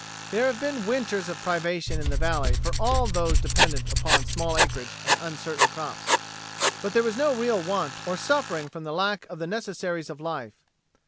There have been winters of privation in the valley for all of those dependent upon small acreage and uncertain crops, but there was no real want or suffering from the lack of the necessaries of life.